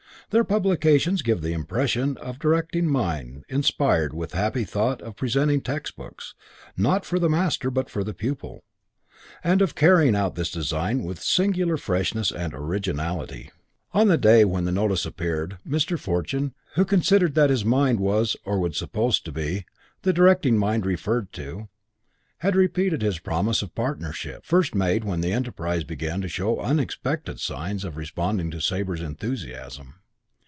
Their publications give the impression of a directing mind inspired with the happy thought of presenting textbooks, not for the master, but for the pupil, and of carrying out this design with singular freshness and originality." On the day when that notice appeared, Mr. Fortune, who considered that his mind was or would be supposed to be the directing mind referred to, had repeated his promise of partnership, first made when the enterprise began to show unexpected signs of responding to Sabre's enthusiasm.